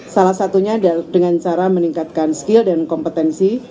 salah satunya dengan cara meningkatkan skill dan kompetensi